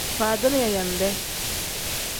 Faadini yaayande.